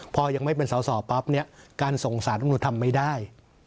พอยังไม่เป็นสอสอปั๊บนี้การส่งศาสตร์น้ำหนูทำไม่ได้